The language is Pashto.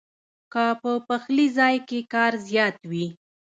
کۀ پۀ پخلي ځائے کښې کار زيات وي